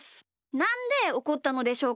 なんでおこったのでしょうか？